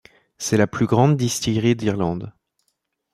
C'est la plus grande distillerie d'Irlande.